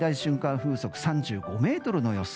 風速３５メートルの予想。